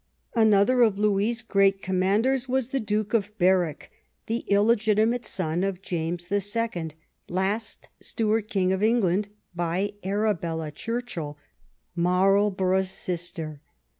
.•.'' Another of Louis's great commanders was the Duke of Berwick, the illegitimate son of James the Second, last Stuart King of England, by Arabella Churchill, Marlborough's sister.